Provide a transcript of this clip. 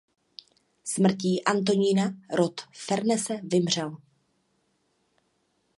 Smrtí Antonína rod Farnese vymřel.